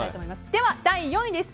では第４位です。